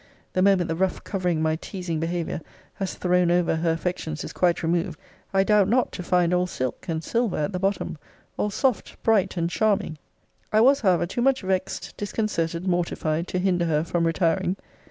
The moment the rough covering my teasing behaviour has thrown over her affections is quite removed, I doubt not to find all silk and silver at the bottom, all soft, bright, and charming. I was however too much vexed, disconcerted, mortified, to hinder her from retiring.